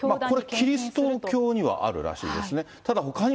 これ、キリスト教にはあるらしいですね。